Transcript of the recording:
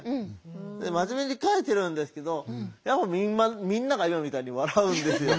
で真面目に書いてるんですけどやっぱみんなが今みたいに笑うんですよ。